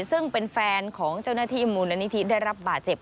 ซึ่งเป็นแฟนของเจ้าหน้าที่มูลนิธิได้รับบาดเจ็บ